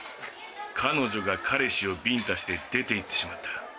彼女が彼氏をビンタして出て行ってしまった。